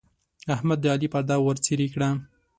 احمد د علي پرده ورڅيرې کړه.